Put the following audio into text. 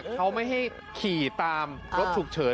เขาไม่ให้ขี่ตามรถฉุกเฉิน